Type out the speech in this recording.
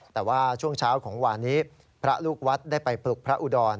แต่ว่าช่วงเช้าของวานนี้พระลูกวัดได้ไปปลุกพระอุดร